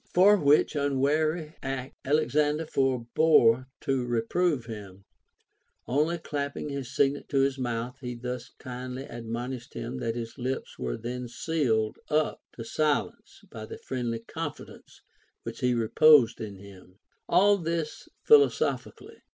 For which unwary act Alexander forbore to reprove him ; only clapping his signet to his mouth, he thus kindly admon ished him that his lips were then sealed up to silence by the friendly confidence which he reposed in him, — all this philosophically.